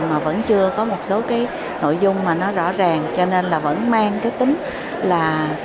mà vẫn chưa có một số cái nội dung mà nó rõ ràng cho nên là vẫn mang cái tính là